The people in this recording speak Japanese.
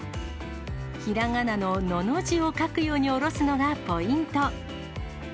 ひらがなののの字を書くようにおろすのがポイント。